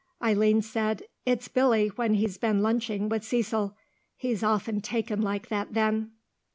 Eileen said, "It's Billy when he's been lunching with Cecil. He's often taken like that then."